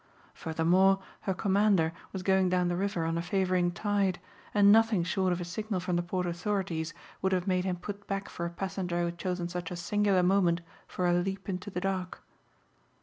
Furthermore her commander was going down the river on a favoring tide and nothing short of a signal from the port authorities would have made him put back for a passenger who had chosen such a singular moment for a leap into the dark.